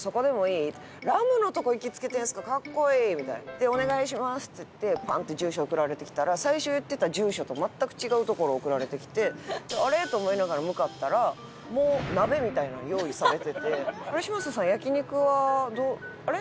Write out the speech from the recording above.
で「お願いします」って言ってパンって住所送られてきたら最初言ってた住所と全く違う所送られてきてあれ？と思いながら向かったらもう鍋みたいなん用意されてて「あれ？嶋佐さん焼肉はあれ？」